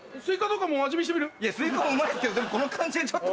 すいかもうまいっすけどでもこの感じはちょっと。